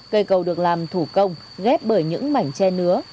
cây cầu được làm thủ công ghép bởi những mảnh che nứa